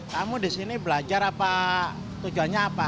kamu di sini belajar apa tujuannya apa